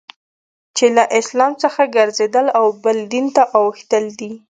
چي له اسلام څخه ګرځېدل او بل دین ته اوښتل دي.